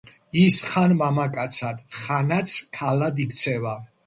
ის ხან მამაკაცად, ხანაც ქალად იქცევა.